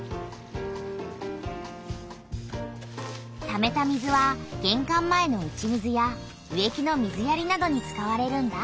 ためた水はげんかん前の打ち水や植木の水やりなどに使われるんだ。